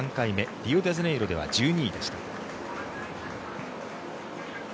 リオデジャネイロでは１２位でした。